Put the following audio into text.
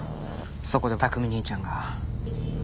そこで琢己兄ちゃんが。